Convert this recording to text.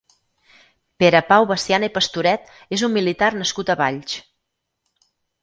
Pere Pau Veciana i Pastoret és un militar nascut a Valls.